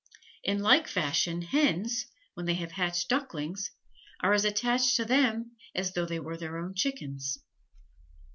In like fashion hens, when they have hatched ducklings, are as attached to them as though they were their own chickens.